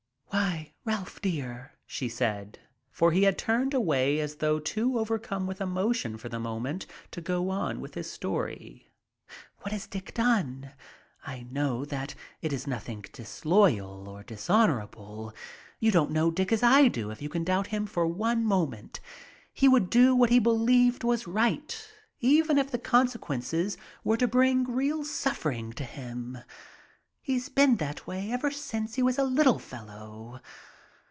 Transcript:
"Why, Ralph dear," she said, for he had turned away as though too overcome with emotion for the moment to go on with his story. "What has Dick done? I know that it is nothing disloyal or dishonorable. You don't know Dick as I do if you can doubt him for one moment. He would do what he believed was right, even if the consequences were to bring real suffering to him. He's been that way ever since he was a little fellow.